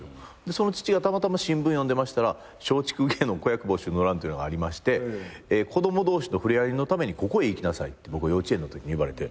その父がたまたま新聞読んでましたら松竹芸能子役募集の欄っていうのがありまして子供同士の触れ合いのためにここへ行きなさいって僕幼稚園のときに言われて。